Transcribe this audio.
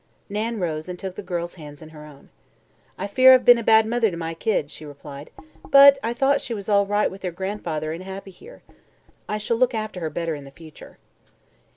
Nan rose and took the girl's hands in her own. "I fear I've been a bad mother to my kid," she replied, "but I thought she was all right with her grandfather and happy here. I shall look after her better in the future."